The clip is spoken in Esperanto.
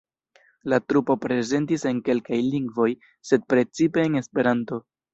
La trupo prezentis en kelkaj lingvoj, sed precipe en Esperanto.